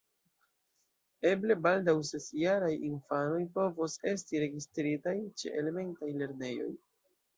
Eble baldaŭ ses-jaraj infanoj povos esti registritaj ĉe elementaj lernejoj.